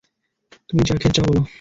তুমি যা খেতে চাও বলো।